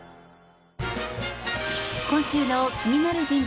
今週の気になる人物